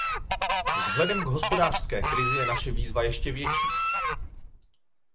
Vzhledem k hospodářské krizi je naše výzva ještě větší.